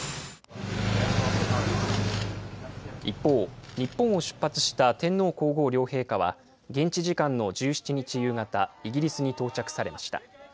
一方、日本を出発した天皇皇后両陛下は、現地時間の１７日夕方、イギリスに到着されました。